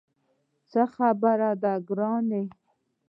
څه خبره ده ګرانه.